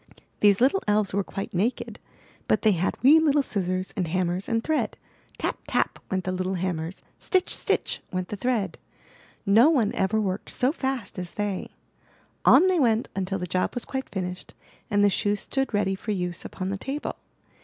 These little elves were quite naked, but they had wee little scissors and hammers and thread. Tap! 348 I N THE NURSERY tap! went the little hammers; stitch! stitch! went the thread. No one ever worked so fast as they. On they went until the job was quite finished and the shoes stood ready for use upon the table.